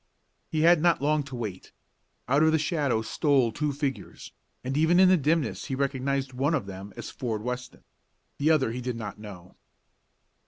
He had not long to wait. Out of the shadows stole two figures, and, even in the dimness he recognized one of them as Ford Weston. The other he did not know.